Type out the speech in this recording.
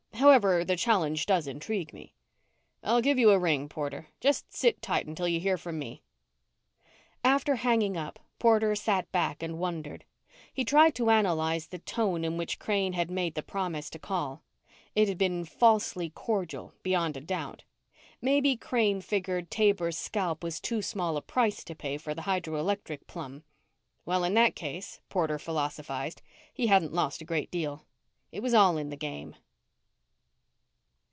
However, the challenge does intrigue me." "I'll give you a ring, Porter. Just sit tight until you hear from me." After hanging up, Porter sat back and wondered. He tried to analyze the tone in which Crane had made the promise to call. It had been falsely cordial, beyond a doubt. Maybe Crane figured Taber's scalp was too small a price to pay for the hydroelectric plum. Well, in that case, Porter philosophized, he hadn't lost a great deal. It was all in the game.